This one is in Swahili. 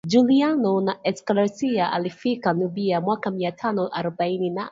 Juliano wa Aleksandria aliyefika Nubia mwaka mia tano arobaini na